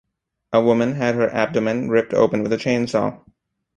A woman had her abdomen ripped open with a chainsaw.